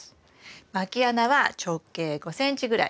まき穴は直径５ｃｍぐらい。